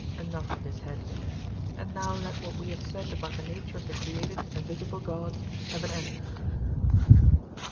Enough on this head; and now let what we have said about the nature of the created and visible gods have an end.